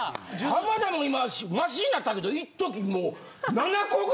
浜田も今マシになったけどいっときもう。